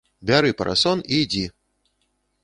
Бяры парасон і ідзі!